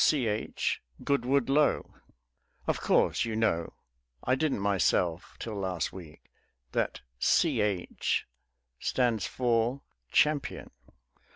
Ch. Goodwood Lo. Of course you know (I didn't myself till last week) that "Ch." stands for "Champion."